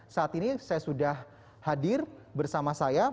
saat ini saya sudah hadir bersama saya